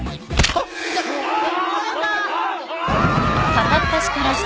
あっ！